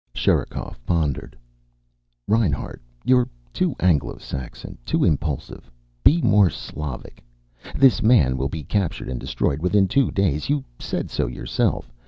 Sherikov pondered. "Reinhart, you're too Anglo Saxon, too impulsive. Be more Slavic. This man will be captured and destroyed within two days. You said so yourself.